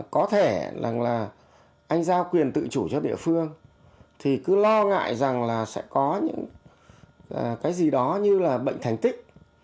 có thể là anh giao quyền tự chủ cho địa phương thì cứ lo ngại rằng là sẽ có những cái gì đó như là bệnh thành tích